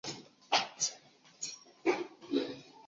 西康省藏族自治区人民政府在康定为其召开了追悼会。